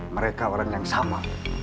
mereka orang yang sama